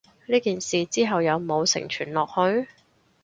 呢件事之後有無承傳落去？